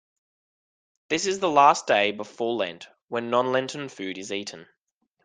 This is the last day before Lent when non-lenten food is eaten.